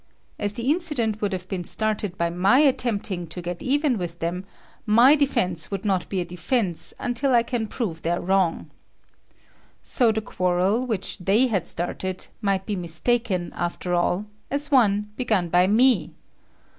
As the incident would have been started by my attempting to get even with them, my defence would not be a defence until I can prove their wrong. So the quarrel, which they had started, might be mistaken, after all, as one begun by me.